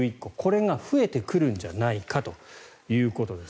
これが増えてくるんじゃないかということです。